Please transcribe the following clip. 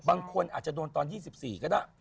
บางคนอาจจะโดนตอน๒๔ก็ได้